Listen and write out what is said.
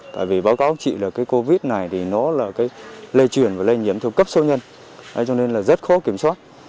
tại vì báo cáo chị là covid này thì nó lây chuyển và lây nhiễm theo cấp số nhân cho nên là rất khó kiểm soát